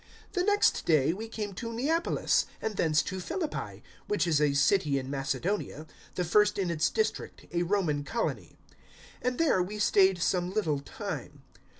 The next day we came to Neapolis, 016:012 and thence to Philippi, which is a city in Macedonia, the first in its district, a Roman colony. And there we stayed some little time.